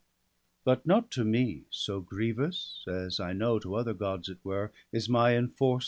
But not to me so grievous, as, I know, To other Gods it were, is my enforced